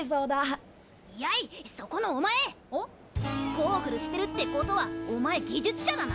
ゴーグルしてるってことはお前技術者だな！？